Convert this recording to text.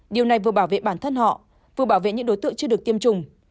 điều này vừa bảo vệ bản thân họ vừa bảo vệ những đối tượng chưa được tiêm chủng